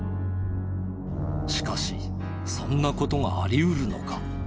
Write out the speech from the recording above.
しかしそんな事があり得るのか？